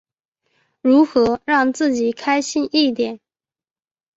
如何让自己开心一点？